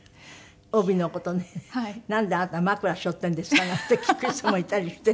帯の事ね「なんであなた枕背負っているんですか？」なんて聞く人もいたりしてね。